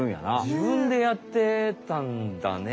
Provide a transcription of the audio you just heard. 自分でやってたんだね。